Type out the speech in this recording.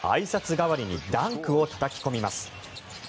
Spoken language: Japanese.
代わりにダンクをたたき込みます。